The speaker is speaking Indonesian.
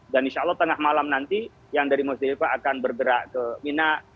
dan insya allah tengah malam nanti yang dari musdalifah akan bergerak ke mina